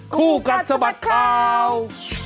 คู่กัดสะบัดข่าว